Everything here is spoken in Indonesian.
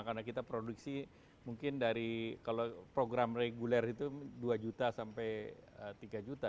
karena kita produksi mungkin dari kalau program reguler itu dua juta sampai tiga juta